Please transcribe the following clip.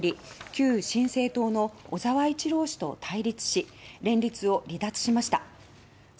旧新生党の小沢一郎氏と対立し連立を離脱しました。